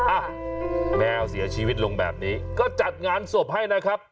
อ่ะแมวเสียชีวิตลงแบบนี้ก็จัดงานศพให้นะครับ